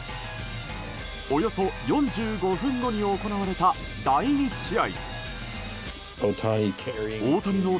およそ４５分後に行われた第２試合。